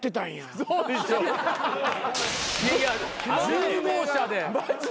１０号車で。